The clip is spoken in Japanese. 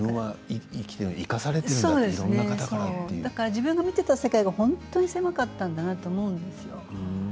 自分が見ていた世界は本当に狭かったなと思うんですよ。